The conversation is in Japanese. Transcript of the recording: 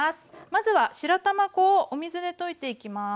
まずは白玉粉をお水で溶いていきます。